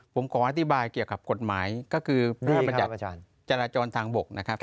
ผมขออธิบายเกี่ยวกับกฎหมายก็คือพระบันจัดจราจรทางบก